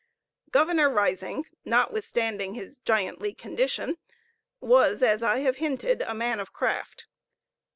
Governor Risingh, not withstanding his giantly condition, was, as I have hinted, a man of craft.